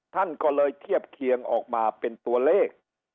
ท่านก็เลยเทียบเคียงออกมาเป็นตัวเลข